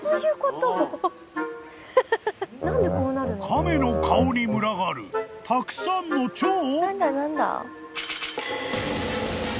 ［亀の顔に群がるたくさんのチョウ！？］